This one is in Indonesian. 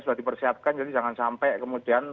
sudah dipersiapkan jadi jangan sampai kemudian